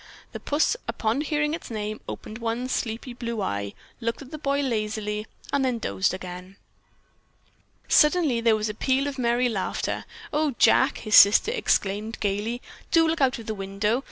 The puss, upon hearing its name, opened one sleepy blue eye, looked at the boy lazily and then dozed again. Suddenly there was a peal of merry laughter. "Oh, Jack," his sister exclaimed gayly, "do look out of the window.